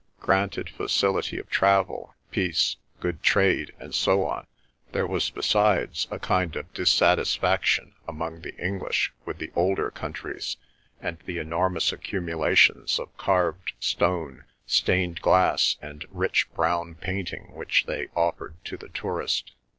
Granted facility of travel, peace, good trade, and so on, there was besides a kind of dissatisfaction among the English with the older countries and the enormous accumulations of carved stone, stained glass, and rich brown painting which they offered to the tourist.